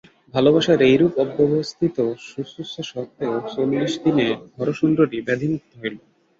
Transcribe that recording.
ভালোবাসার এইরূপ অব্যবস্থিত শুশ্রূষা সত্ত্বেও চল্লিশ দিনে হরসুন্দরী ব্যাধিমুক্ত হইল।